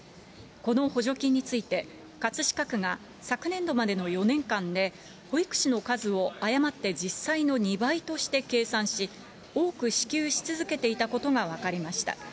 この補助金について、葛飾区が昨年度までの４年間で保育士の数を誤って実際の２倍として計算し、多く支給し続けていたことが分かりました。